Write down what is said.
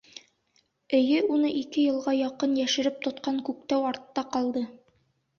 Эйе, уны ике йылға яҡын йәшереп готҡан Күктау артта ҡалды.